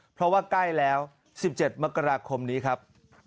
เพราะว่าใกล้แล้ว๑๗มกราคมนี้ครับ